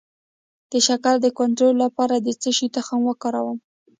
د شکر د کنټرول لپاره د څه شي تخم وکاروم؟